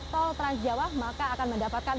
tol trans jawa maka akan mendapatkan